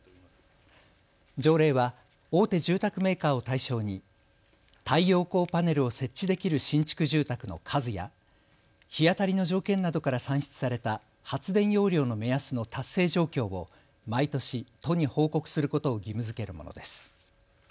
条例は大手住宅メーカーを対象に太陽光パネルを設置できる新築住宅の数や日当たりの条件などから算出された発電容量の目安の達成状況を毎年、都に報告することを義務づけるものです。